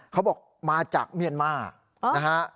เขาบอกมาจากเมียนมาร์นะฮะ